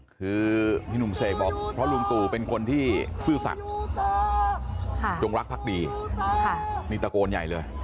คือพี่หนุ่มเสกบอกเพราะลุงตู่เป็นคนที่ซื่อสัตว์จงรักพักดีนี่ตะโกนใหญ่เลย